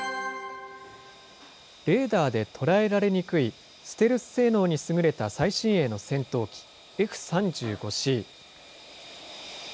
レーダーで捉えられにくいステルス性能に優れた最新鋭の戦闘機Ｆ３５Ｃ。